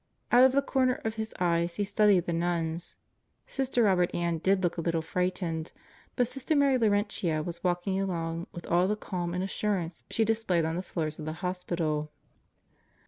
Out of the corner of his eyes he studied the nuns. Sister Robert Ann did look a little frightened, but Sister Mary Laurentia was walking along with all the calm and assurance she displayed on the floors of the hospital.